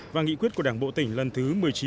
và nghị quyết của đảng bộ tỉnh lần thứ một mươi chín